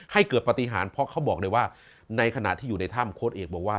ให้เกิดปฏิหารเพราะเขาบอกเลยว่าในขณะที่อยู่ในถ้ำโค้ดเอกบอกว่า